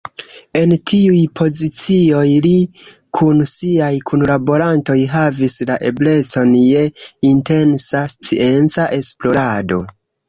En tiuj pozicioj li kun siaj kunlaborantoj havis la eblecon je intensa scienca esplorado.